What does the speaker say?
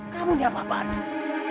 kamu ini apa apaan sih